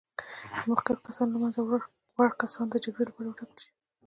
د مخکښو کسانو له منځه وړ کسان د جرګې لپاره وټاکل شي.